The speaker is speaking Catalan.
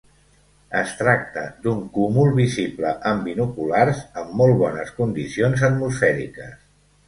Es tracta d'un cúmul visible amb binoculars amb molt bones condicions atmosfèriques.